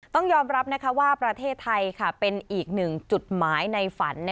ต้องยอมรับว่าประเทศไทยเป็นอีกหนึ่งจุดหมายในฝัน